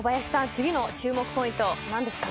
次の注目ポイント何ですか？